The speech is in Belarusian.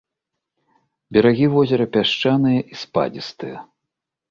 Берагі возера пясчаныя і спадзістыя.